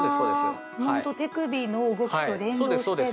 ほんと手首の動きと連動してね。